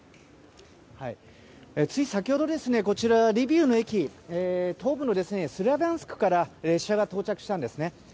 つい先ほどこちらリビウの駅東部のスラビャンスクから列車が到着したんですね。